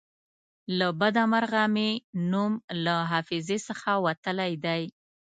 له بده مرغه مې نوم له حافظې څخه وتلی دی.